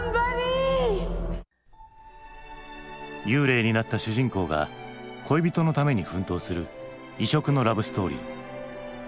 幽霊になった主人公が恋人のために奮闘する異色のラブストーリー。